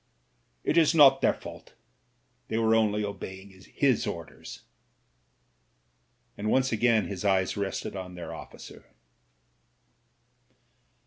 "It is not their fault, they were only obeying his orders.*' And once again his eyes rested on their dficer.